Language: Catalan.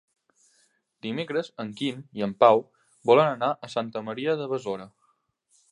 Dimecres en Quim i en Pau volen anar a Santa Maria de Besora.